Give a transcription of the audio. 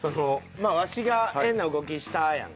まあワシが変な動きしたやん。